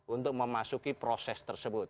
untuk memasuki proses tersebut